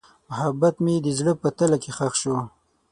محبت مې د زړه په تله کې ښخ شو.